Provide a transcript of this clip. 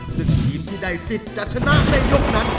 ซึ่งทีมที่ได้สิทธิ์จะชนะในยกนั้น